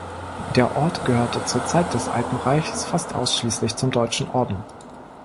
Der Ort gehörte zur Zeit des Alten Reiches fast ausschließlich zum Deutschen Orden.